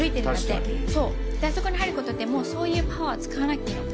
であそこに入ることってもうそういうパワーを使わなくていいの。